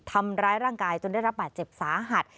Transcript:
ทำร้ายร่างกายจนได้รับบาดเจ็บสาหัส